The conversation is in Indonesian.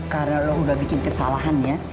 karena lo udah bikin kesalahan ya